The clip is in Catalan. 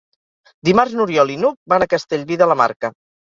Dimarts n'Oriol i n'Hug van a Castellví de la Marca.